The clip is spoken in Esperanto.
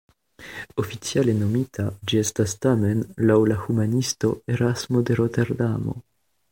Oficiale nomita ĝi estas tamen laŭ la humanisto Erasmo de Roterdamo.